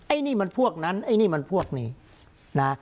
อันนี้มันพวกนั้นไอ้นี่มันพวกนี้นะ